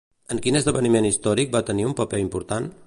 En quin esdeveniment històric va tenir un paper important?